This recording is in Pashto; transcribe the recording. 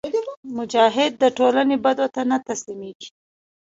مجاهد د ټولنې بدو ته نه تسلیمیږي.